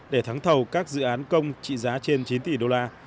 để thắng thầu các dự án công trị giá trên chín tỷ đô la